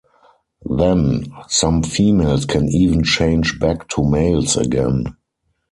Then, some females can even change back to males again.